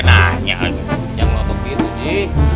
nanya aja jangan ngotot gitu ji